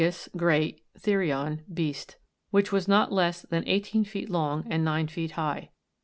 93 Greek, mcgas, great, and therion, beast), which was not less than eighteen feet long and nine feet high.